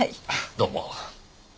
どうも。